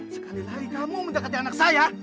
sekali lagi kamu mendekati anak saya